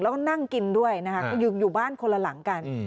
แล้วก็นั่งกินด้วยนะคะก็อยู่บ้านคนละหลังกัน